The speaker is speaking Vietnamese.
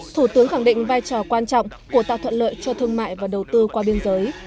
thủ tướng khẳng định vai trò quan trọng của tạo thuận lợi cho thương mại và đầu tư qua biên giới